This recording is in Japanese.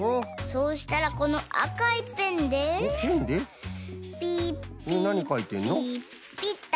そしたらこのあかいペンでピピピピッと。